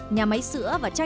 nhà máy sữa và chai sữa